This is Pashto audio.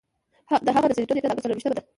د هغه د زیږیدو نیټه د اګست څلور ویشتمه ده.